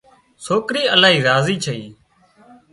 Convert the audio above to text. سوڪرِي الاهي راضي ڇئي